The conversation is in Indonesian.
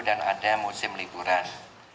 dan musim liburan